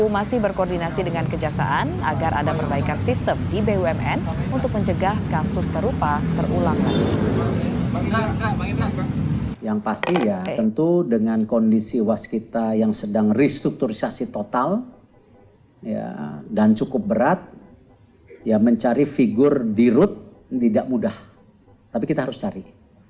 bumn masih berkoordinasi dengan kejaksaan agar ada perbaikan sistem di bumn untuk mencegah kasus serupa terulang